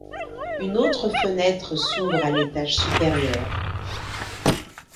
Une autre fenêtre s'ouvre à l'étage supérieur.